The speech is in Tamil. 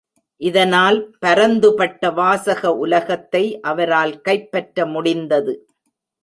இதனால் பரந்துபட்ட வாசக உலகத்தை அவரால் கைப்பற்ற முடிந்தது.